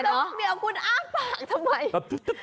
เดี๋ยวคุณอ้างปากทำไม